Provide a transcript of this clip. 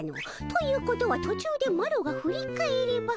ということは途中でマロが振り返れば。